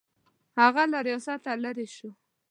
هغه له ریاسته لیرې شو.